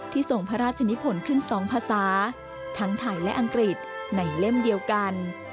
ทรงพระราชนิพลขึ้น๒ภาษาทั้งไทยและอังกฤษในเล่มเดียวกัน